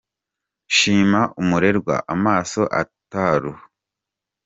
Shima umurerwa amaso ataruha.